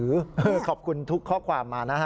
ขอบคุณทุกข้อความมานะฮะ